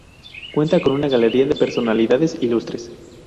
Cuenta con una Galería de Personalidades Ilustres.